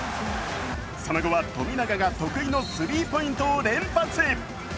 その後は富永が得意のスリーポイントを連発。